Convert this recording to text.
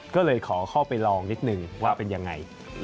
ก็เลยขอเข้าไปลองนิดนึงว่าเป็นยังไง